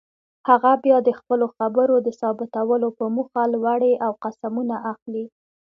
هغه بیا د خپلو خبرو د ثابتولو په موخه لوړې او قسمونه اخلي.